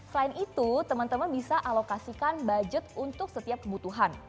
selain itu teman teman bisa alokasikan budget untuk setiap kebutuhan